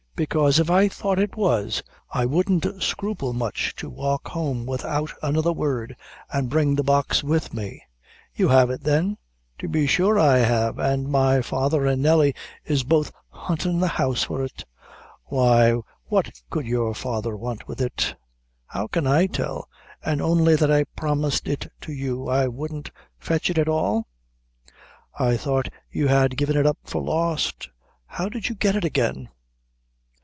bekaise if I thought it was, I wouldn't scruple much to walk home with' out another word, an' bring the box with me." "You have it, then?" "To be sure I have, an' my father an' Nelly is both huntin' the house for it." "Why, what could your father want with it?" "How can I tell? an' only that I promised it to you, I wouldn't fetch it at all?" "I thought you had given it up for lost; how did you get it again?"